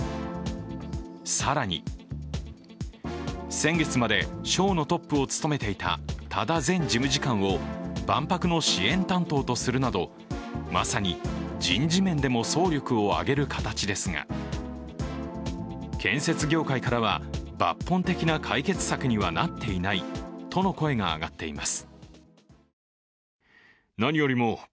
更に、先月まで省のトップを務めていた多田前事務次官を万博の支援担当とするなどまさに人事面でも総力を挙げる形ですが建設業界からは抜本的な解決策にはなっていないとの声が上がっています。